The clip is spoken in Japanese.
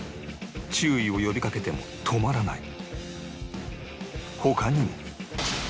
注意を呼びかけても止まらない他にも